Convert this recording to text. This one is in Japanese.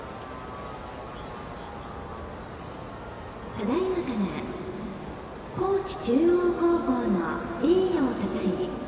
ただいまから高知中央高校の栄誉をたたえ